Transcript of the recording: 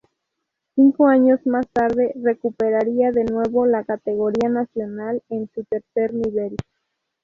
Cinco años más tarde recuperaría de nuevo la categoría nacional en su tercer nivel.